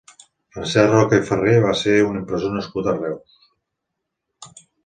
Francesc Roca i Ferrer va ser un impressor nascut a Reus.